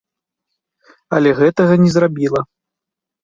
Але гэтага не зрабіла.